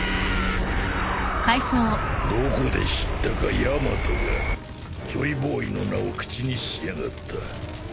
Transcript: どこで知ったかヤマトがジョイボーイの名を口にしやがった